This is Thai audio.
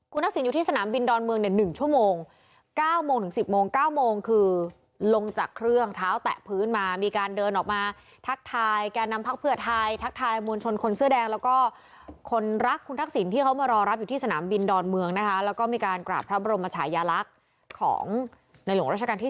คุณทักษิณอยู่ที่สนามบินดอนเมืองเนี่ย๑ชั่วโมง๙โมงถึง๑๐โมง๙โมงคือลงจากเครื่องเท้าแตะพื้นมามีการเดินออกมาทักทายแก่นำพักเพื่อไทยทักทายมวลชนคนเสื้อแดงแล้วก็คนรักคุณทักษิณที่เขามารอรับอยู่ที่สนามบินดอนเมืองนะคะแล้วก็มีการกราบพระบรมชายลักษณ์ของในหลวงราชการที่๙